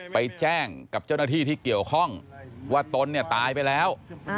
ไปแจ้งกับเจ้าหน้าที่ที่เกี่ยวข้องว่าตนเนี่ยตายไปแล้ว